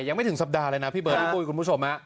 ยังไม่ถึงสัปดาห์เลยนะพี่เบิร์ดพี่ปุ้ยคุณผู้ชม